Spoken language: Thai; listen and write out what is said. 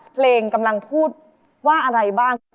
เพลงกำลังพูดว่าอะไรบ้าง